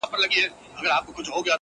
ویرجینیا که په پسرلي کي -